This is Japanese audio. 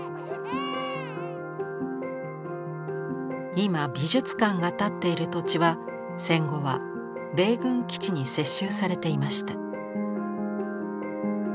今美術館が立っている土地は戦後は米軍基地に接収されていました。